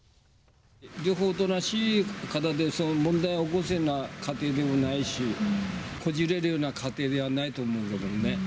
両方おとなしい方で、問題を起こすような家庭でもないし、こじれるような家庭ではないと思うけどもね。